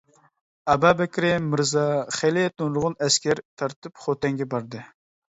ئابابەكرى مىرزا خېلى نۇرغۇن ئەسكەر تارتىپ خوتەنگە باردى.